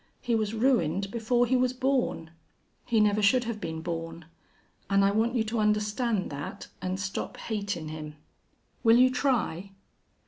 He was ruined before he was born. He never should have been born. An' I want you to understand that, an' stop hatin' him. Will you try?"